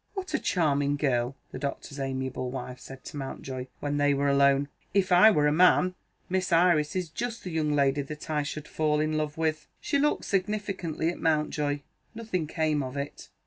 "What a charming girl!" the doctor's amiable wife said to Mountjoy, when they were alone. "If I were a man, Miss Iris is just the young lady that I should fall in love with." She looked significantly at Mountjoy. Nothing came of it.